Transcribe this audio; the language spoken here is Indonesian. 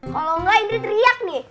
kalau enggak indri teriak nih